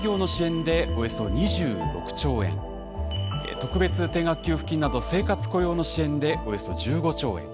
特別定額給付金など生活・雇用の支援でおよそ１５兆円。